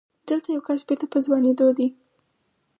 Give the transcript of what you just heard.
دلته يو کس بېرته په ځوانېدو دی.